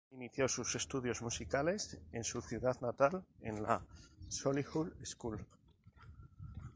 Inició sus estudios musicales es su ciudad natal, en la Solihull School.